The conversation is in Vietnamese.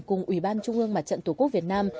cùng ủy ban trung ương mặt trận tổ quốc việt nam